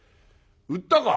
「売ったか？」。